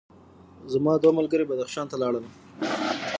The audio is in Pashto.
زما دوه ملګري بدخشان ته لاړل.